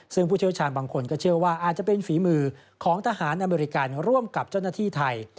ซึ่งผู้เชี่ยวชาญบางคนก็เชื่อว่าอาจจะเป็นฝีมือของทหารอเมริกันร่วมกับเจ้าหน้าที่ไทย